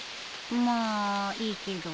まあいいけど。